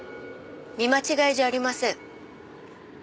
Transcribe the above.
見間違いじゃありません。